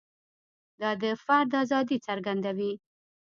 دا د فرد ازادي څرګندوي.